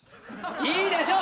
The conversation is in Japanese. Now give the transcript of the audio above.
いいでしょう！